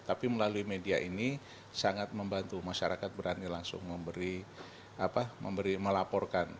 tapi melalui media ini sangat membantu masyarakat berani langsung memberi melaporkan